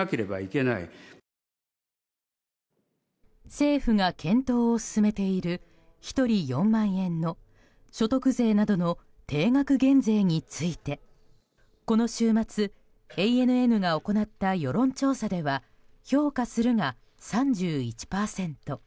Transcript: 政府が検討を進めている１人４万円の所得税などの定額減税についてこの週末、ＡＮＮが行った世論調査では評価するが３１％。